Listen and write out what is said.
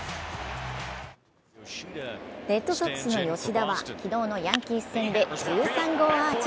レッドソックスの吉田は昨日のヤンキース戦で１３号アーチ。